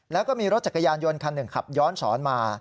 แล้วก็มีรถจักรยานยนต์คันหนึ่งขับย้อนสอนมา